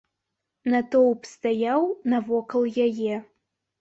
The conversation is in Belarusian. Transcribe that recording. Натоўп стаяў навакол яе.